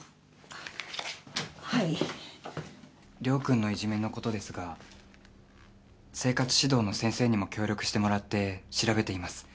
陵君のいじめのことですが生活指導の先生にも協力してもらって調べています。